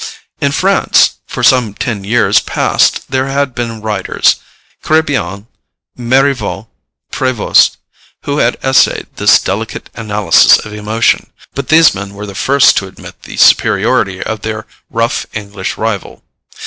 In France, for some ten years past there had been writers Crébillon, Marivaux, Prévost who had essayed this delicate analysis of emotion, but these men were the first to admit the superiority of their rough English rival.